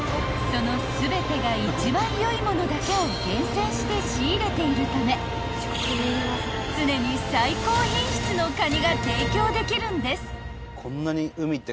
［その全てが一番良いものだけを厳選して仕入れているため常に最高品質のカニが提供できるんです］